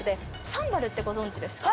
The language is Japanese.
サンバルってご存じですか？